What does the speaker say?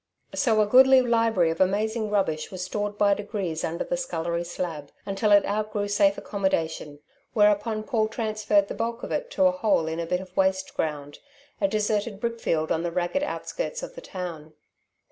So a goodly library of amazing rubbish was stored by degrees under the scullery slab, until it outgrew safe accommodation; whereupon Paul transferred the bulk of it to a hole in a bit of waste ground, a deserted brickfield on the ragged outskirts of the town.